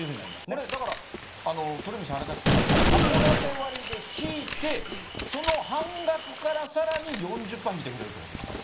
これ、だから、鳥海さん、あれですね、はこだて割で引いて、その半額からさらに４０パー引いてくれるってことですか。